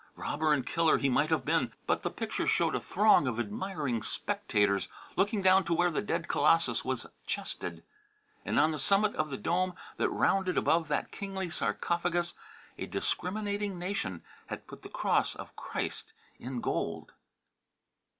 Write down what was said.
Robber and killer he might have been, but the picture showed a throng of admiring spectators looking down to where the dead colossus was chested, and on the summit of the dome that rounded above that kingly sarcophagus, a discriminating nation had put the cross of Christ in gold.